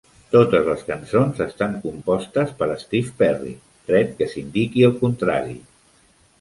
Totes les cançons estan compostes per Steve Perry, tret que s'indiqui el contrari.